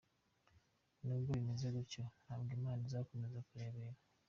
Nubwo bimeze gutyo, ntabwo imana izakomeza kurebera.